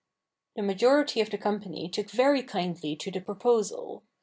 The majority of the company took very kindly to the proposal.